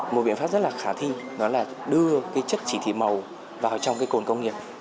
một biện pháp rất là khả thi đó là đưa chất chỉ thị màu vào trong cồn công nghiệp